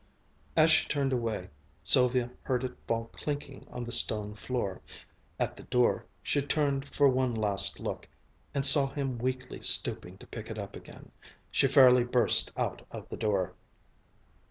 As she turned away Sylvia heard it fall clinking on the stone floor. At the door she turned for one last look, and saw him weakly stooping to pick it up again. She fairly burst out of the door.